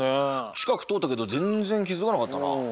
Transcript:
近く通ったけど全然気付かなかったな。